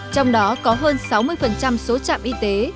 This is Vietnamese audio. trong đó có hơn sáu mươi số trạm y tế